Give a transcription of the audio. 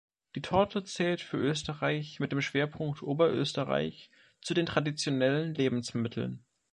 Die Torte zählt für Österreich mit dem Schwerpunkt Oberösterreich zu den "Traditionellen Lebensmitteln".